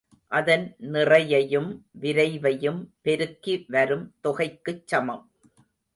அதன் நிறையையும் விரைவையும் பெருக்கி வரும் தொகைக்குச் சமம்.